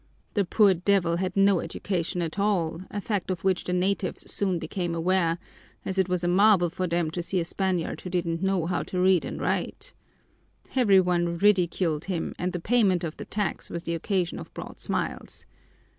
The poor devil had no education at all, a fact of which the natives soon became aware, as it was a marvel for them to see a Spaniard who didn't know how to read and write. Every one ridiculed him and the payment of the tax was the occasion of broad smiles.